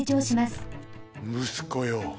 むすこよ。